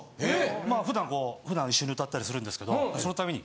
まあ普段普段一緒に歌ったりするんですけどその度に。